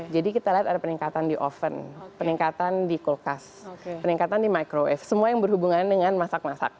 jadi kita lihat ada peningkatan di oven peningkatan di kulkas peningkatan di microwave semua yang berhubungan dengan masak masak